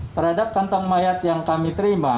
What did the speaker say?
terhadap kantong mayat yang kami terima